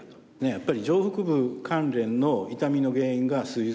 やっぱり上腹部関連の痛みの原因がすい臓。